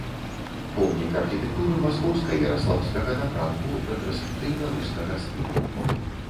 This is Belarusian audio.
Помнік архітэктуры маскоўска-яраслаўскага напрамку рэтраспектыўна-рускага стылю.